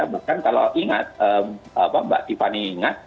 bahkan kalau ingat mbak tiffany ingat